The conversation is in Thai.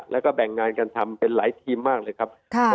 แล้วก็แบ่งงานกันทำเป็นหลายทีมมากเลยครับ